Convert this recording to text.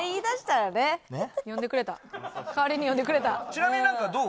ちなみになんかどう？